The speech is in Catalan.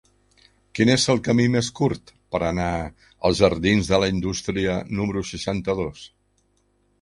Quin és el camí més curt per anar als jardins de la Indústria número seixanta-dos?